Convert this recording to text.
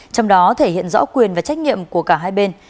trong đó thể hiện rõ quyền và trách nhiệm của cả hai bên